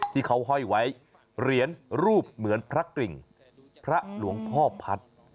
ที่เขาห้อยไว้เหรียญรูปเหมือนพระกริ่งพระหลวงพ่อพัฒน์